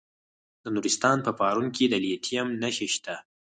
د نورستان په پارون کې د لیتیم نښې شته.